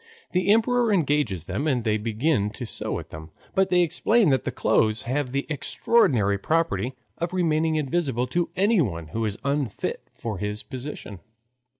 The emperor engages them and they begin to sew at them, but they explain that the clothes have the extraordinary property of remaining invisible to anyone who is unfit for his position.